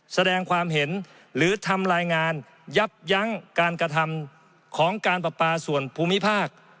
แสดงความเห็นหรือทำรายงานยับยั้งการกระทำของการประปาส่วนภูมิภาค